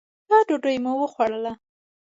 ښه ډوډۍ مو وخوړله.